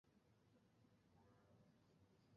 হুইটবিতে একটি ত্রাণ অবতরণ ক্ষেত্র ছিল।